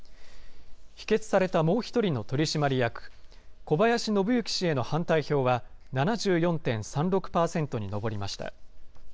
否決されたもう一人の取締役、小林伸行氏への反対票は７４．３６％に上りました。